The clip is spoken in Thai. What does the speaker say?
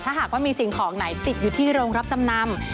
ถ้าหากว่ามีสิ่งของไหนติดอยู่ที่โรงรับจำนำ